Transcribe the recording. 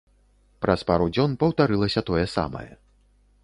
Праз пару дзён паўтарылася тое самае.